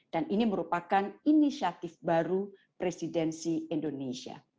dan ini merupakan inisiatif baru presidensi indonesia